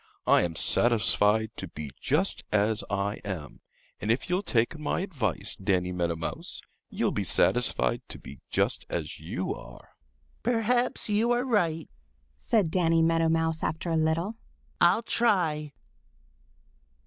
I am satisfied to be just as I am, and if you'll take my advice, Danny Meadow Mouse, you'll be satisfied to be just as you are." "Perhaps you are right," said Danny Meadow Mouse after a little. "I'll try."